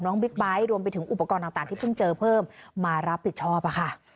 บิ๊กไบท์รวมไปถึงอุปกรณ์ต่างที่เพิ่งเจอเพิ่มมารับผิดชอบค่ะ